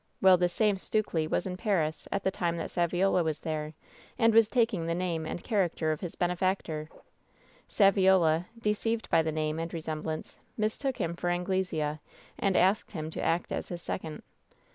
Well, this same Stukely was in Paris at the time that Saviola was there, and was taking the name and character of his benefactor. Saviola, deceived by the name and resemblance, mistook 256 WHEN SHADOWS DIE him for An^lesea, and asked him to act as his second.